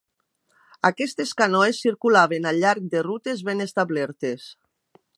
Aquestes canoes circulaven al llarg de rutes ben establertes.